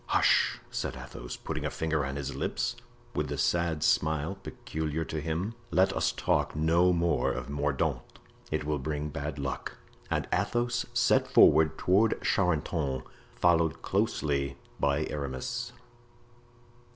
"Hush!" said Athos, putting a finger on his lips, with the sad smile peculiar to him; "let us talk no more of Mordaunt—it will bring bad luck." And Athos set forward toward Charenton, followed closely by Aramis.